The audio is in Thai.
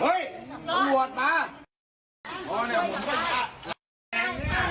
ไม่ใช่มันอารวาสอะไรน่ะ